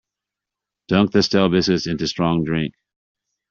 Dunk the stale biscuits into strong drink.